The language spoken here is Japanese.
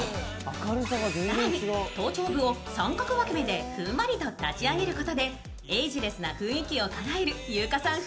更に頭頂部を三角分け目でふんわりち立ち上げることでエイジレスな雰囲気をかなえる優香さん風